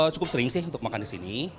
cukup sering sih untuk makan di sini